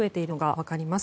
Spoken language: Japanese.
分かります。